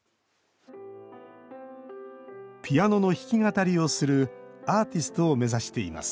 ピアノの弾き語りをするアーティストを目指しています。